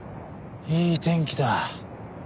いい天気だ。